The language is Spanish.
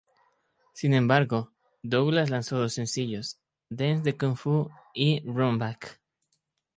Sin embargo, Douglas lanzó dos sencillos: "Dance The Kung Fu" y "Run Back".